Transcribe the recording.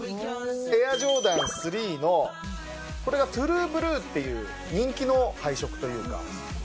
エアジョーダン３の、これがトゥルーブルーという人気の配色というか。